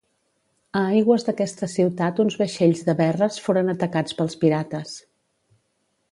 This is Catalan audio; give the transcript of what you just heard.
A aigües d'aquesta ciutat uns vaixells de Verres foren atacats pels pirates.